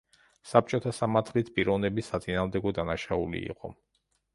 საბჭოთა სამართლით პიროვნების საწინააღმდეგო დანაშაული იყო.